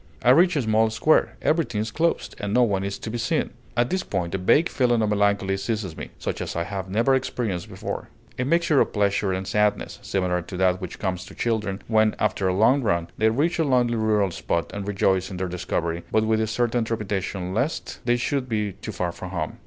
I reach a small square; everything is closed, and no one is to be seen. At this point a vague feeling of melancholy seizes me, such as I have never experienced before; a mixture of pleasure and sadness, similar to that which comes to children when, after a long run, they reach a lonely rural spot and rejoice in their discovery, but with a certain trepidation lest they should be too far from home.